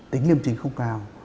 tính liêm chính không cao